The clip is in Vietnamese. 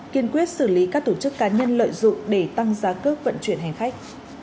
kiên quyết xử lý các tổ chức cá nhân lợi dụng để tăng giá cước vận chuyển hành khách